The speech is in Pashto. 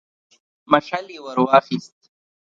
مشعل يې ور واخيست.